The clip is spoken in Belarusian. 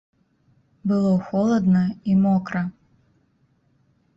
Было холадна і мокра.